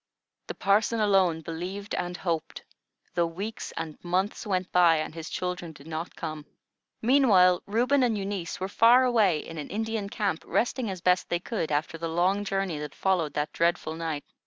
The parson alone believed and hoped, though weeks and months went by, and his children did not come. Meantime, Reuben and Eunice were far away in an Indian camp, resting as best they could, after the long journey that followed that dreadful night.